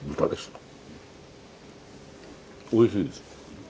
おいしいです。